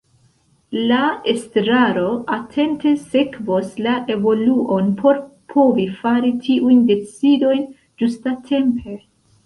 La Estraro atente sekvos la evoluon por povi fari tiujn decidojn ĝustatempe.